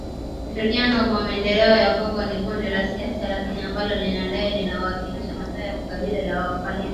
Ushirikiano kwa Maendelea ya Kongo ni kundi la kisiasa na kidini ambalo linadai linawakilisha maslahi ya kabila la walendu.